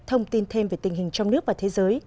thông tin thêm về tình hình trong nước và thế giới